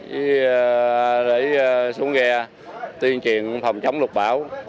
để xuống ghe tuyên truyền phòng chống lục bão